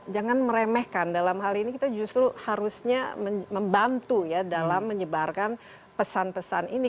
jangan meremehkan dalam hal ini kita justru harusnya membantu ya dalam menyebarkan pesan pesan ini